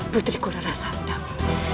putriku rara sandang